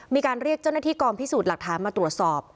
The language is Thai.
มีการเรียกเจ้าหน้าที่กองพิสูจน์หลักฐานมาตรวจสอบ